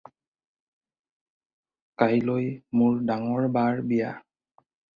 কাইলৈ মোৰ ডাঙৰ বাৰ বিয়া।